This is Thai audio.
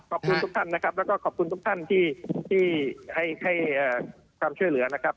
ขอบคุณทุกท่านนะครับแล้วก็ขอบคุณทุกท่านที่ให้ความช่วยเหลือนะครับ